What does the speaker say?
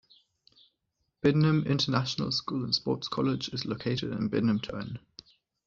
Biddenham International School and Sports College is located on Biddenham Turn.